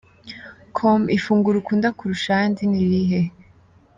com: Ifunguro ukunda kurusha ayandi ni irihe?.